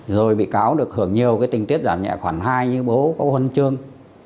rồi bị cáo được hưởng nhiều cái tình tiết giảm nhẹ khoảng hai như bố có huân chương